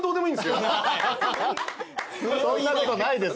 そんなことないです